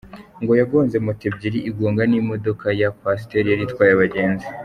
Ngo yagonze moto ebyiri, igonga n’imodoka ya Coaster yari itwaye abagenzi.